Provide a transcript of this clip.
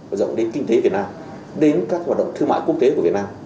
và rộng đến kinh tế việt nam đến các hoạt động thương mại quốc tế của việt nam